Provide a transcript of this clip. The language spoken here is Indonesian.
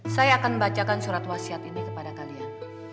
saya akan bacakan surat wasiat ini kepada kalian